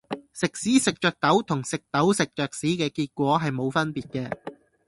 食屎食著豆同食豆食著屎嘅結果係冇分別嘅